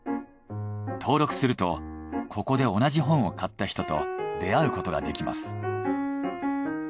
登録するとここで同じ本を買った人と出会うことができます。